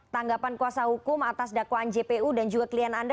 tanggapan kuasa hukum atas dakwaan jpu dan juga klien anda